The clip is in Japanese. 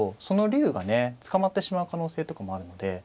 その竜がね捕まってしまう可能性とかもあるので。